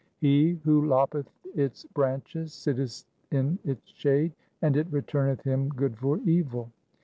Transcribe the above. He who loppeth its branches sitteth in its shade, and it returneth him good for evil.